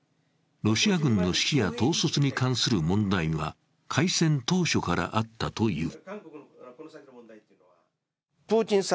ロシア軍の指揮や統率に関する問題は開戦当初からあったという。